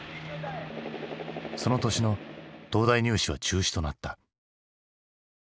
その年の東大入試は中止となった。